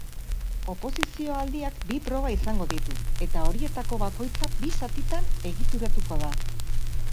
Oposizio-aldiak bi proba izango ditu, eta horietako bakoitza bi zatitan egituratuko da.